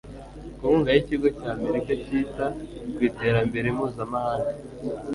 ku nkunga y ikigo cy amerika cyita ku iterambere mpuzamahanga